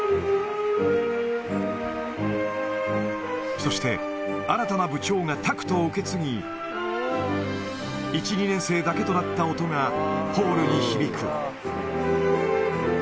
そして、新たな部長がタクトを受け継ぎ、１、２年生だけとなった音がホールに響く。